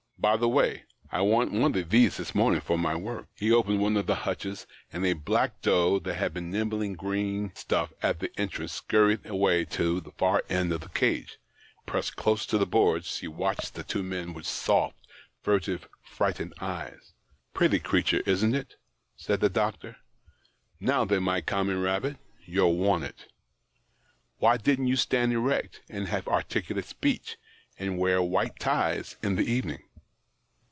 By the way, I want one of these this morning for my work." He opened one of the hutches, and a black doe that had been nibbling green stuff at the entrance scurried away to the far end of the cage ; pressed close to the boards she watched the two men with soft, furtive, frightened eyes. " Pretty creature, isn't it ?" said the doctor. " Now then, my common rabbit, you're wanted. Why didn't you stand erect, and have articulate speech, and wear white ties in the evening